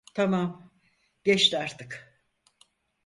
Tamam, geçti artık.